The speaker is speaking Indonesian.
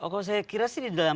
kalau saya kira sih di dalam